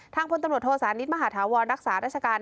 ทางพตศนิทร์มหาธาวรรักษารัชการ